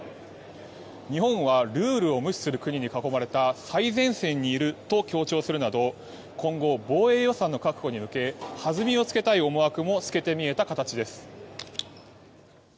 日本はルールを無視する国に囲まれた最前線にいると強調するなど今後、防衛予算の確保に向け弾みをつけたい思惑も透けて見えた形です。